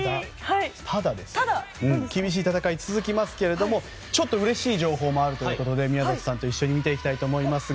ただ、厳しい戦いが続きますけれどもうれしい情報もあるということで宮里さんと一緒に見ていきたいと思います。